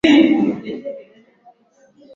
aa moja kwa moja niangazie kidogo